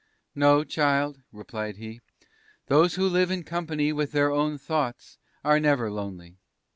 "No, child," replied he: "those who live in company with their own thoughts are never lonely.